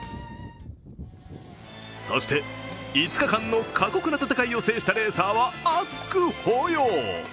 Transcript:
そして、５日間の過酷な戦いを制したレーサーは熱く抱擁。